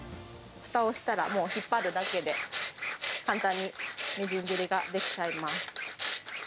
ふたをしたら、もう引っ張るだけで、簡単にみじん切りができちゃいます。